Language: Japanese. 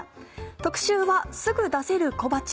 特集は「すぐ出せる！小鉢」。